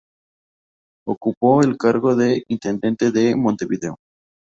Ocupó el cargo de Intendente de Montevideo.